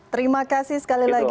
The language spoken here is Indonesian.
terima kasih sekali lagi